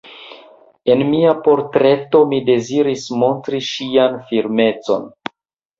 En mia portreto mi deziris montri ŝian firmecon.